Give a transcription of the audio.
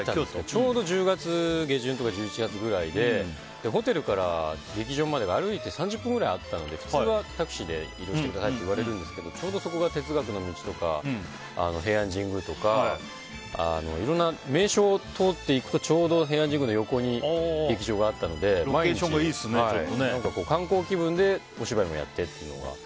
ちょうど１０月下旬とか１１月くらいでホテルから劇場まで、歩いて３０分ぐらいあったので、普通はタクシーで移動してくださいって言われるんですけどちょうど、そこが哲学の道とか平安神宮とかいろんな名所を通っていくとちょうど平安神宮の横に劇場があったので毎日、観光気分でお芝居もやってっていうのが。